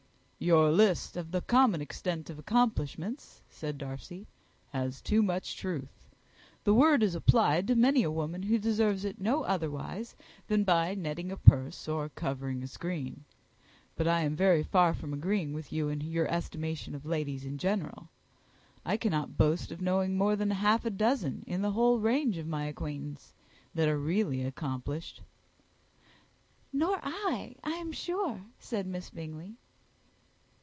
"Your list of the common extent of accomplishments," said Darcy, "has too much truth. The word is applied to many a woman who deserves it no otherwise than by netting a purse or covering a screen; but I am very far from agreeing with you in your estimation of ladies in general. I cannot boast of knowing more than half a dozen in the whole range of my acquaintance that are really accomplished." "Nor I, I am sure," said Miss Bingley.